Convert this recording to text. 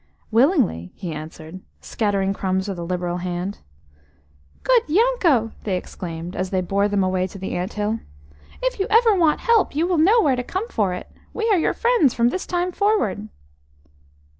"Willingly," he answered, scattering crumbs with a liberal hand. OOD Yanko!" they exclaimed, as they bore them away to the ant hill. "If you ever want help, you will know where to come for it. We are your friends from this time forward."